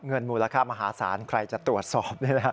เงินมูลค่ามหาศาลใครจะตรวจสอบได้แล้ว